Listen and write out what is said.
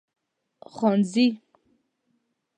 خانزي